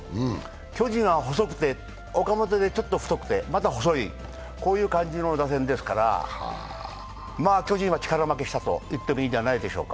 巨人は細くて、岡本でちょっと太くてまた細い、こういう感じの打線ですから巨人は力負けしたと言っていいんじゃないでしょうか。